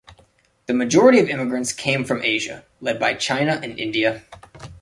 The majority of immigrants came from Asia, led by China and India.